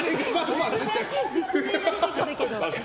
実名が出てきたけど。